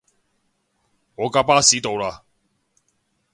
我架巴士到喇